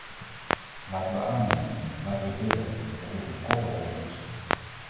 Laten we aannemen, laten we bidden, dat het een korte oorlog is.